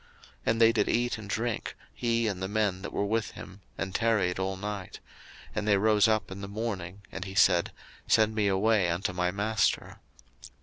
01:024:054 And they did eat and drink, he and the men that were with him, and tarried all night; and they rose up in the morning, and he said, Send me away unto my master.